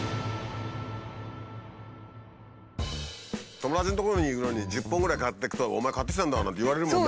友達のとこに行くのに１０本ぐらい買っていくと「お前買ってきたんだ！」なんて言われるもんね。